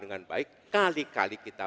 dengan baik kali kali kita